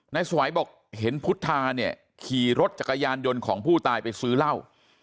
สวัยบอกเห็นพุทธาเนี่ยขี่รถจักรยานยนต์ของผู้ตายไปซื้อเหล้า